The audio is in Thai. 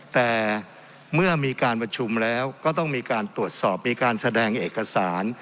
แต่เมื่อมีการประชุมแล้วก็ต้องมีการตรวจสอบมีการแสดงเอกสาร